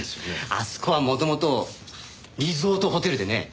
あそこは元々リゾートホテルでね